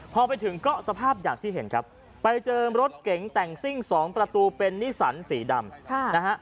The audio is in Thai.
พอไปถึงก็สภาพอย่างที่เห็นครับไปเจอรถเก๋งแต่งซิ่งสองประตูเป็นนิสันสีดำนะฮะ